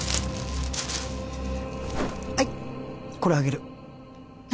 はいこれあげる何